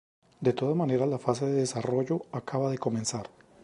De todas maneras, la fase de desarrollo acaba de comenzar".